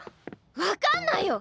分かんないよ！